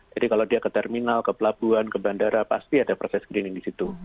jadi kalau dia ke terminal ke pelabuhan ke bandara pasti ada proses screening di situ